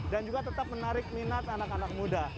dan juga tetap menarik minat anak anak muda